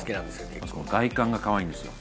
結構外観がかわいいんですよ